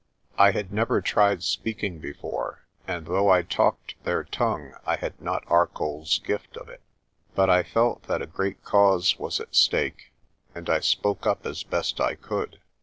I had never tried speaking before, and though I talked their tongue I had not Arcoll's gift of it. But I felt that a great cause was at stake and I spoke up as best I could.